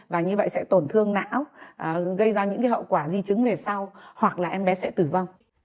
và như vậy sẽ tổn thương não gây ra những hậu quả di chứng về sau hoặc là em bé sẽ tử vong